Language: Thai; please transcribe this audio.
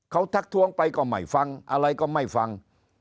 เขาทักทวงไปก็ไม่ฟังอะไรก็ไม่ฟัง